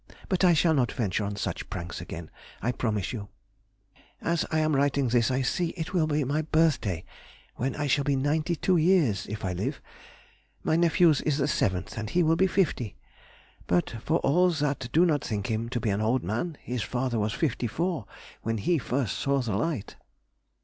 But I shall not venture on such pranks again, I promise you! As I am writing this I see it will be my birthday, when I shall be ninety two years, if I live. My nephew's is the 7th, and he will be fifty, but for all that do not think him to be an old man. His father was fifty four when he first saw the light....